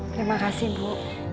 terima kasih bu